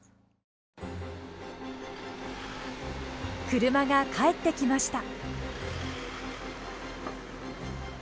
車が帰ってきました。